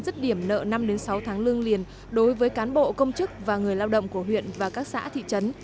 dứt điểm nợ năm sáu tháng lương liền đối với cán bộ công chức và người lao động của huyện và các xã thị trấn